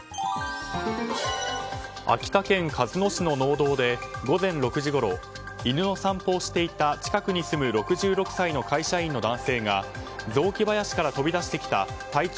秋田県鹿角市の農道で午前６時ごろ犬の散歩をしていた近くに住む６６歳の会社員の男性が雑木林から飛び出してきた体長